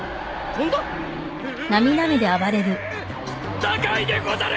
怖いでござる！